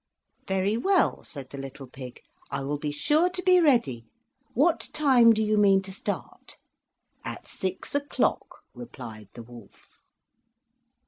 "Very well," said the little pig; "I will be sure to be ready. What time do you mean to start?" "At six o'clock," replied the wolf.